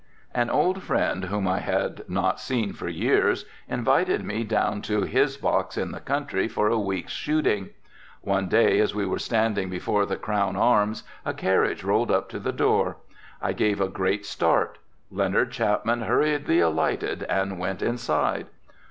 An old friend, whom I had not seen for years, invited me down to his box in the country for a weeks' shooting. One day as we were standing before the Crown Arms, a carriage rolled up to the door. I gave a great start. Leonard Chapman hurriedly alighted and went inside.